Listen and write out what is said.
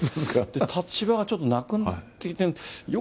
立場がちょっとなくなってきて。